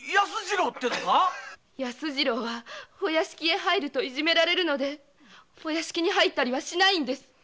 ヤスジロウはお屋敷へ入るといじめられるのでお屋敷へ入ったりはしないんです。